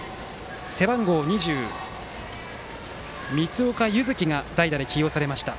背番号２０、光岡優月が代打で起用されました。